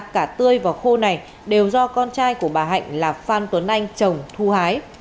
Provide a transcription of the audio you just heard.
cả tươi và khô này đều do con trai của bà hạnh là phan tuấn anh chồng thu hái